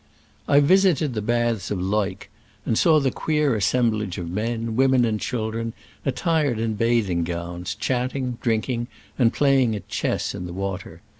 I visited the baths of Leuk, and saw the queer assemblage of men, women and children, attired in bathing gowns, chatting, drinking and playing at chess in the water.